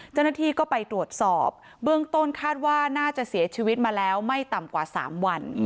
เจ้าหน้าที่ก็ไปตรวจสอบเบื้องต้นคาดว่าน่าจะเสียชีวิตมาแล้วไม่ต่ำกว่า๓วัน